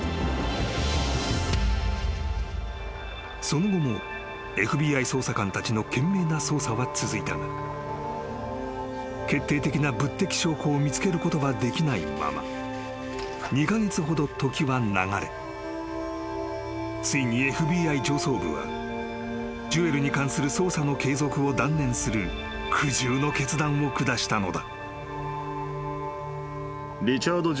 ［その後もＦＢＩ捜査官たちの懸命な捜査は続いたが決定的な物的証拠を見つけることができないまま２カ月ほど時は流れついにＦＢＩ上層部はジュエルに関する捜査の継続を断念する苦渋の決断を下したのだ］